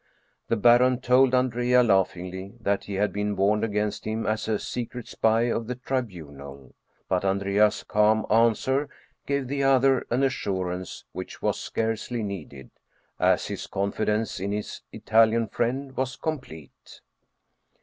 The baron told Andrea Ijaugh ingly that he had been warned against him as a secret spy of the Tribunal. But Andrea's calm answer gave the other an assurance which was scarcely needed, as his confidence in his Italian friend was complete.